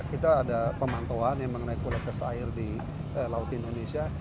kita ada pemantauan yang mengenai kualitas air di laut indonesia